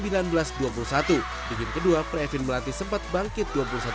di game kedua previn melati sempat bangkit dua puluh satu tiga belas